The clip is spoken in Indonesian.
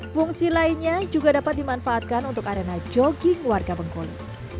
fungsi lainnya juga dapat dimanfaatkan untuk arena jogging warga bengkulu